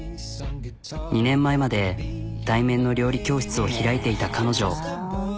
２年前まで対面の料理教室を開いていた彼女。